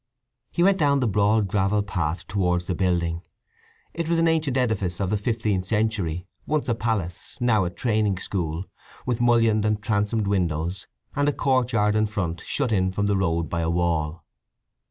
He went down the broad gravel path towards the building. It was an ancient edifice of the fifteenth century, once a palace, now a training school, with mullioned and transomed windows, and a courtyard in front shut in from the road by a wall.